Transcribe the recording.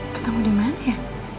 ketemu dimana ya